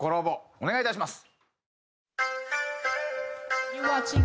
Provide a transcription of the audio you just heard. お願いいたします。